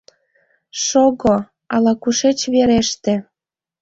Шого, ала-кушеч вереште...